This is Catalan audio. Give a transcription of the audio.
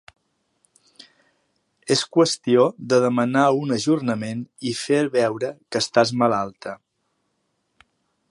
És qüestió de demanar un ajornament i fer veure que estàs malalta.